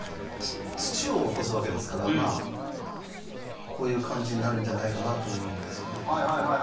土を落とすわけですからこういう感じになるんじゃないかなと思うんですよね。